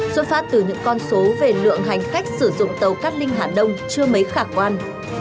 xuất phát từ những con số về lượng hành khách sử dụng tàu cát linh hà đông chưa mấy khả quan